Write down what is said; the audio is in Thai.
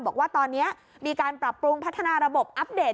บอกว่าตอนนี้มีการปรับปรุงพัฒนาระบบอัปเดต